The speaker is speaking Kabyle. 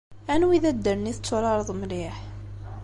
Anwi i d addalen i tetturareḍ mliḥ?